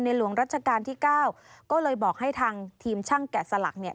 หลวงรัชกาลที่เก้าก็เลยบอกให้ทางทีมช่างแกะสลักเนี่ย